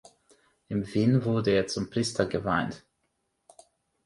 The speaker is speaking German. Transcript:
In Wien wurde er zum Priester geweiht.